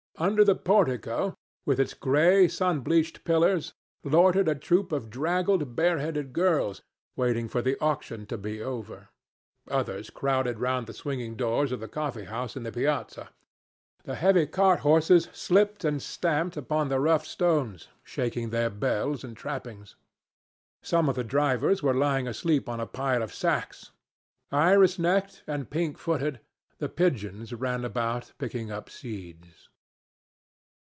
Under the portico, with its grey, sun bleached pillars, loitered a troop of draggled bareheaded girls, waiting for the auction to be over. Others crowded round the swinging doors of the coffee house in the piazza. The heavy cart horses slipped and stamped upon the rough stones, shaking their bells and trappings. Some of the drivers were lying asleep on a pile of sacks. Iris necked and pink footed, the pigeons ran about picking up seeds.